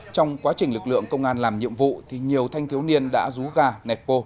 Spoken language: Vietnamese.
trong quá trình lực lượng công an làm nhiệm vụ nhiều thanh thiếu niên đã rú gà nẹp cô